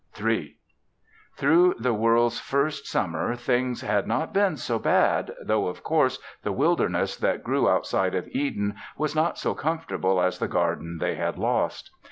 III Through the world's first summer things had not been so bad, though of course the wilderness that grew outside of Eden was not so comfortable as the garden they had lost.